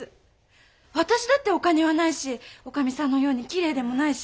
私だってお金はないし女将さんのようにきれいでもないし。